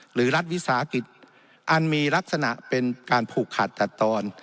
รัฐวิสาหกิจอันมีลักษณะเป็นการผูกขาดตัดตอน